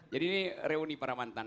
jadi ini reuni para mantan